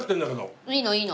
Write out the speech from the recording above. いいのいいの。